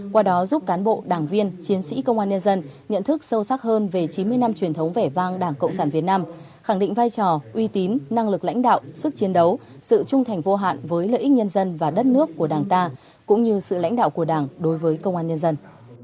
qua đó giúp cán bộ đảng viên chiến sĩ công an nhân dân nhận thức sâu sắc hơn về chín mươi năm truyền thống vẻ vang đảng cộng sản việt nam khẳng định vai trò uy tín năng lực lãnh đạo sức chiến đấu sự trung thành vô hạn với lợi ích nhân dân và đất nước của đảng ta cũng như sự lãnh đạo của đảng đối với công an nhân dân